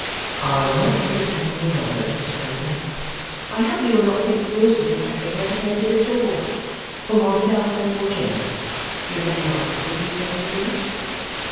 'I will not hesitate any longer, Mr Wrayburn. I hope you will not think the worse of me for having hesitated at all. For myself and for Jenny you let me answer for you, Jenny dear?